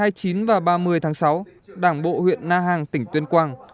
trong hai ngày hai mươi chín và ba mươi tháng sáu đảng bộ huyện na hàng tỉnh tuyên quang